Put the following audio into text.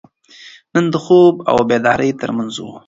دی د خوب او بیدارۍ تر منځ و.